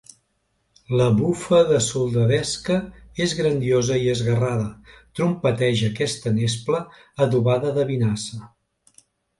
La bufa de soldadesca és grandiosa i esguerrada; trompeteja aquesta nespla adobada de vinassa.